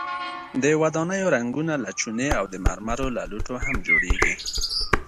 د ودانیو رنګونه له چونې او د مرمرو له لوټو هم جوړیږي.